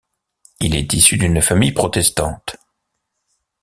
Il est issu d'une famille protestante.